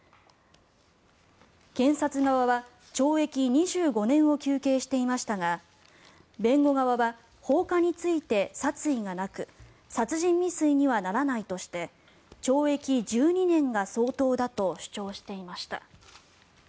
検察側は懲役２５年を求刑していましたが弁護側は放火について、殺意がなく殺人未遂にはならないとして懲役１２年が相当だと主張していました。